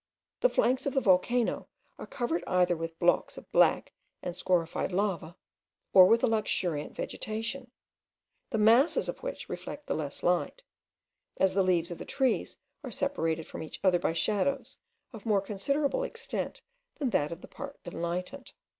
The flanks of the volcano are covered either with blocks of black and scorified lava, or with a luxuriant vegetation, the masses of which reflect the less light, as the leaves of the trees are separated from each other by shadows of more considerable extent than that of the part enlightened.